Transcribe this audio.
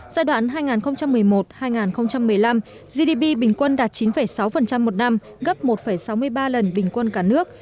giai đoạn hai nghìn một mươi một hai nghìn một mươi năm gdp bình quân đạt chín sáu một năm gấp một sáu mươi ba lần bình quân cả nước